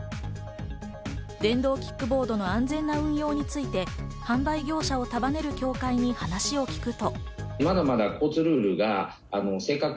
電動キックボードの安全な運用について販売業者を束ねる業界に話を聞くと。